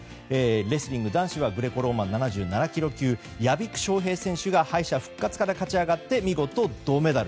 レスリング男子はグレコローマン７７ｋｇ級屋比久翔平選手が敗者復活から勝ち上がって見事、銅メダル。